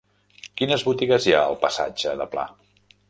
Quines botigues hi ha al passatge de Pla?